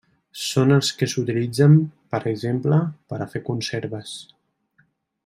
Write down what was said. Són els que s'utilitzen, per exemple, per a fer conserves.